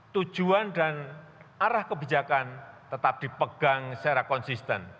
tujuan dan arah kebijakan tetap dipegang secara konsisten